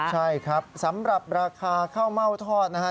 ใช่ครับสำหรับราคาข้าวเม่าทอดนะฮะ